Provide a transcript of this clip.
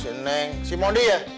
si neng si maudie ya